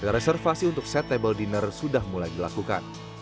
reservasi untuk set table dinner sudah mulai dilakukan